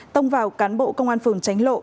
tông vào cán bộ công an phường tránh lộ